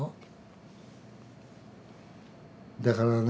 だからね